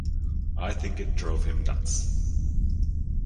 I think it drove him nuts.